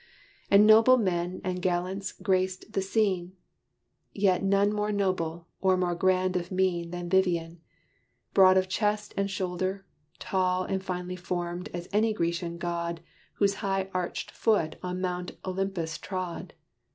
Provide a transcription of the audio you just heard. And noble men and gallants graced the scene: Yet none more noble or more grand of mien Than Vivian broad of chest and shoulder, tall And finely formed, as any Grecian god Whose high arched foot on Mount Olympus trod.